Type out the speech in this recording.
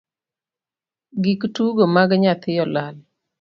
Gik tugo mag nyathi olal.